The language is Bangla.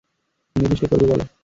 নির্দিষ্ট করবে বলো।